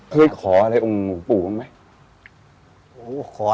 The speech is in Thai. เคยขออะไรองค์หมู่ปู่มั้ย